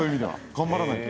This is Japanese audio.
頑張らないと。